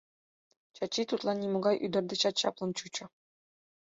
Чачи тудлан нимогай ӱдыр дечат чаплын чучо.